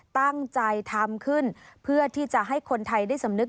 ตั้งใจทำขึ้นเพื่อที่จะให้คนไทยได้สำนึก